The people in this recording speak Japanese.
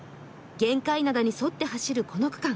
玄界灘に沿って走るこの区間。